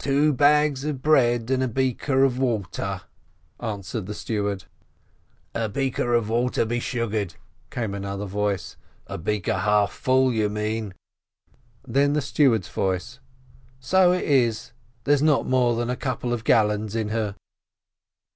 "Two bags of bread and a breaker of water," answered the steward. "A breaker of water be sugared!" came another voice; "a breaker half full, you mean." Then the steward's voice: "So it is; there's not more than a couple of gallons in her."